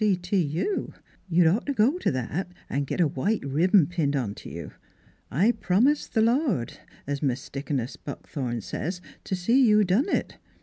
C. T. U. You'd ought t' go t' that an' git a white ribbon pinned onto you. I promised th' Lord es Mis' Dea coness Buckthorn says to see you done it.